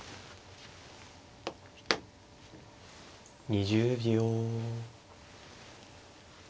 ２０秒。